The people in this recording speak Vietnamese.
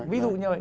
ví dụ như vậy